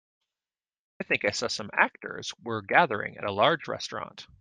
I think I saw some actors were gathering at a large restaurant.